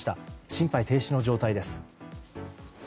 心肺停止の状態です。